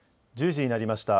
１０時になりました。